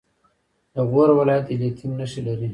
د غور ولایت د لیتیم نښې لري.